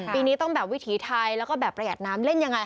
ปีนี้ต้องแบบวิถีไทยแล้วก็แบบประหยัดน้ำเล่นยังไง